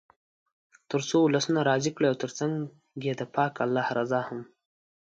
تر څو ولسونه راضي کړئ او تر څنګ یې د پاک الله رضا هم.